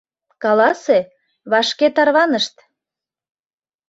— Каласе: вашке тарванышт!